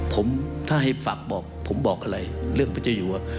ผมถ้าให้ฝากบอกผมบอกอะไรเรื่องปัจจุยัว